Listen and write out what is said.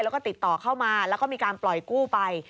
แล้วก็ติดต่อเข้ามาแล้วก็มีการปล่อยกู้ไป